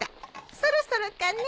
そろそろかね。